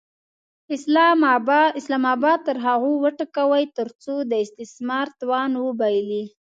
اسلام اباد تر هغو وټکوئ ترڅو د استثمار توان وبایلي.